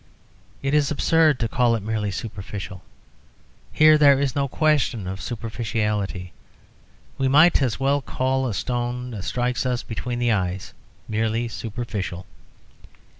It is absurd to call it merely superficial; here there is no question of superficiality; we might as well call a stone that strikes us between the eyes merely superficial.